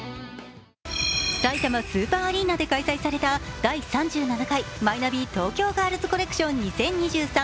さいたまスーパーアリーナで開催された第３７回マイナビ東京ガールズコレクション２０２３